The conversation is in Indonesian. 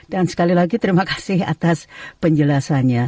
dan sekali lagi terima kasih atas penjelasannya